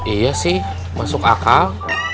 iya sih masuk akal